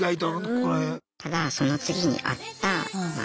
ただその次に会ったまあ